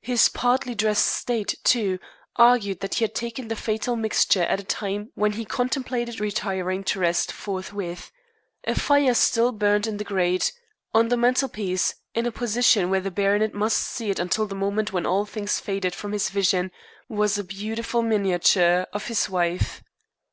His partly dressed state, too, argued that he had taken the fatal mixture at a time when he contemplated retiring to rest forthwith. A fire still burned in the grate. On the mantelpiece in a position where the baronet must see it until the moment when all things faded from his vision was a beautiful miniature of his wife.